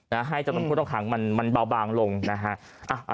ให้จำนวนผู้ต้องขังมันมันเบาบางลงนะฮะ